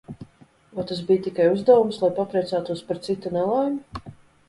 Vai tas bija tikai uzdevums, lai papriecātos par cita nelaimi?